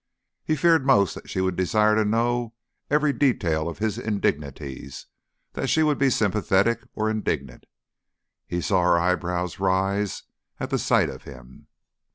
He feared most that she would desire to know every detail of his indignities, that she would be sympathetic or indignant. He saw her eyebrows rise at the sight of him.